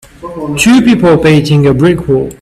Two people painting a brick wall.